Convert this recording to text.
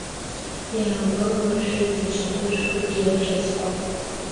Иаалгәалалыршәеит даҽа хәышәқәакгьы рыхьӡқәа.